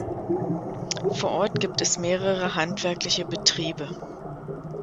Vor Ort gibt es mehrere handwerkliche Betriebe.